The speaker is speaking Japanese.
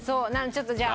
ちょっとじゃあ。